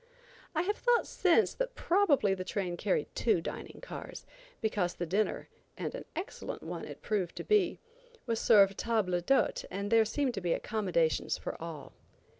I have thought since that probably the train carried two dining cars, because the dinner, and an excellent one it proved to be, was served table d'hôte, and there seemed to be accommodations for all.